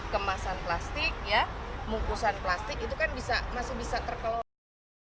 kemasan plastik ya bungkusan plastik itu kan masih bisa terkelola